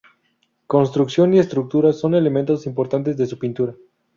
Construcción y estructura son elementos importantes de su pintura.